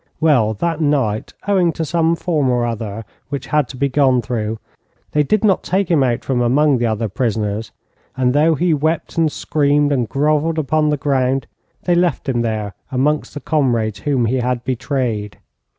Well, that night, owing to some form or other which had to be gone through, they did not take him out from among the other prisoners, and though he wept and screamed, and grovelled upon the ground, they left him there amongst the comrades whom he had betrayed.